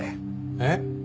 えっ？